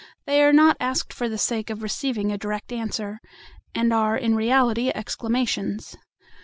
They are not asked for the sake of receiving a direct answer, and are in reality exclamations.